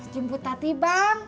jemput tati bang